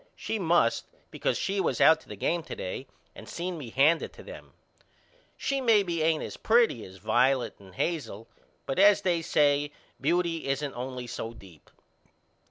She must because she was out to the game to day and seen me hand it to them. She maybe ain't as pretty as Violet and Hazel but as they say beauty isn't only so deep.